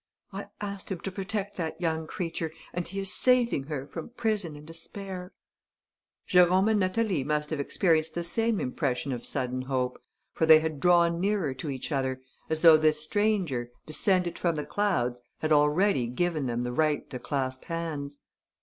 "I asked him to protect that young creature; and he is saving her from prison and despair." Jérôme and Natalie must have experienced the same impression of sudden hope, for they had drawn nearer to each other, as though this stranger, descended from the clouds, had already given them the right to clasp hands.